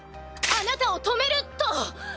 あなたを止めると！